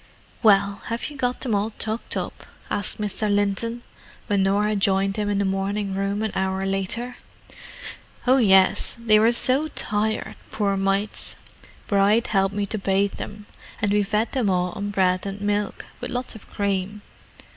"Well—have you got them all tucked up?" asked Mr. Linton, when Norah joined him in the morning room an hour later. "Oh, yes; they were so tired, poor mites. Bride helped me to bathe them, and we fed them all on bread and milk—with lots of cream.